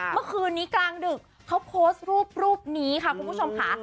เมื่อคืนนี้กลางดึกเขาโพสต์รูปรูปนี้ค่ะคุณผู้ชมค่ะ